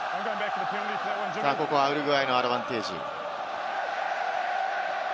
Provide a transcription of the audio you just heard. ここはウルグアイのアドバンテージ。